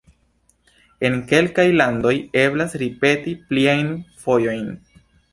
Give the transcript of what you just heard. En kelkaj landoj eblas ripeti pliajn fojojn.